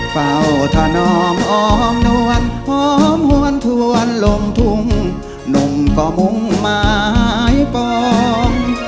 เฝ้าทนอมอ้อมนวลอ้อมหวนถวนลงทุ่งนุ่งก็มุ่งไม้ปอง